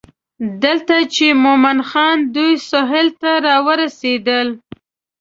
دلته چې مومن خان دوی سهیل ته راورسېدل.